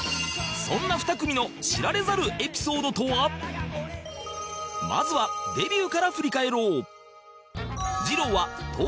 そんなまずはデビューから振り返ろう